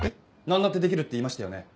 何だってできるって言いましたよね？